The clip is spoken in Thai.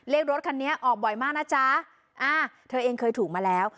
รถคันนี้ออกบ่อยมากนะจ๊ะอ่าเธอเองเคยถูกมาแล้ว